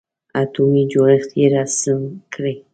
اتومي جوړښت یې رسم کړئ.